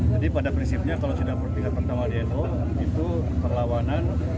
jadi pada prinsipnya kalau sudah di tingkat pertama di no itu perlawanan